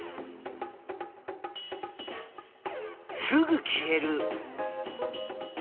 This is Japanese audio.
すぐ消える。